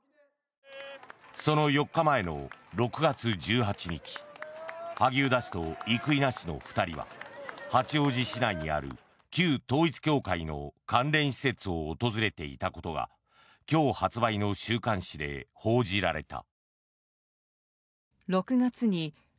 その４日前の６月１８日萩生田氏と生稲氏の２人は八王子市内にある旧統一教会の関連施設を訪れていたことが今日発売の週刊誌で報じられた。